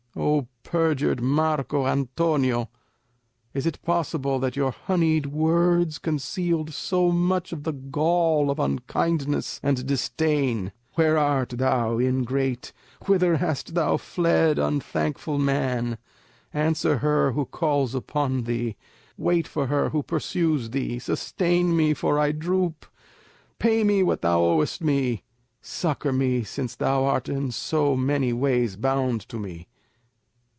O perjured Marco Antonio! Is it possible that your honeyed words concealed so much of the gall of unkindness and disdain? Where art thou, ingrate? Whither hast thou fled, unthankful man? Answer her who calls upon thee! Wait for her who pursues thee; sustain me, for I droop; pay me what thou owest me; succour me since thou art in so many ways bound to me!"